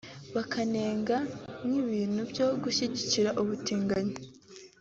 bakanenga nk’ibintu byo gushyigikira ubutinganyi